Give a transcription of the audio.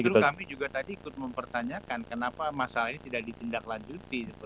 justru kami juga tadi ikut mempertanyakan kenapa masalah ini tidak ditindaklanjuti